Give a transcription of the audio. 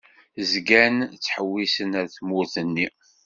Zgan ttḥewwisen ar tmurt-nni.